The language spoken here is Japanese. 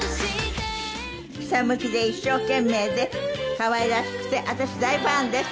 ひたむきで一生懸命で可愛らしくて私大ファンです。